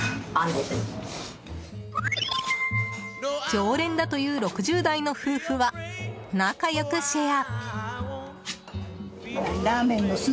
常連だという６０代の夫婦は仲良くシェア。